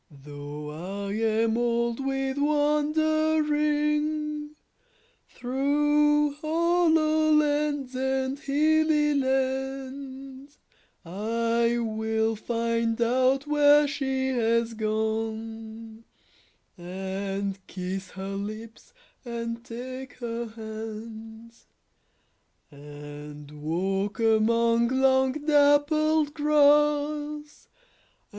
Though I am old with wandering Through hollow lands and hilly lands, I will find out where she has gone, And kiss her lips and take her hands; And walk among long dappled grass.